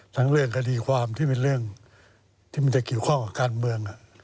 ทั้งเรื่องคดีความที่เป็นเรื่องที่มันจะเกี่ยวข้องกับการเมือง